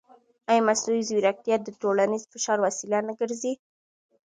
ایا مصنوعي ځیرکتیا د ټولنیز فشار وسیله نه ګرځي؟